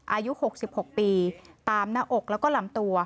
อายุ๖๖ปีตามหน้าอกแล้วก็ลำตัว